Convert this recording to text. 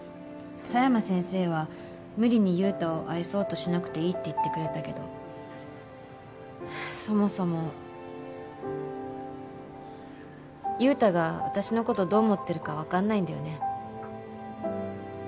佐山先生は無理に優太を愛そうとしなくていいって言ってくれたけどそもそも優太が私の事どう思ってるかわかんないんだよね。